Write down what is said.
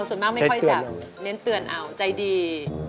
ส่วนมากไม่ค่อยจะเน้นเตือนเอาใจดี